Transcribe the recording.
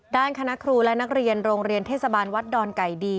ด้านคณะครูและนักเรียนโรงเรียนเทศบาลวัดดอนไก่ดี